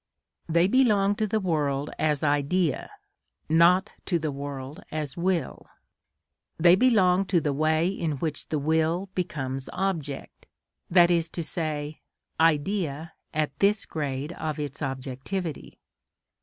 They belong to the world as idea, not to the world as will; they belong to the way in which the will becomes object, i.e., idea at this grade of its objectivity.